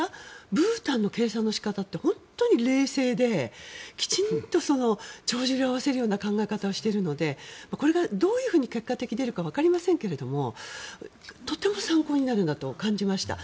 ブータンの計算の仕方って本当に冷静できちんと帳尻を合わせるような考え方をしているのでこれがどういうふうに結果的に出るかわかりませんがとても参考になるなと感じました。